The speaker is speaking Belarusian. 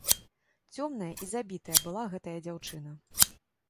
Цёмная і забітая была гэтая дзяўчына.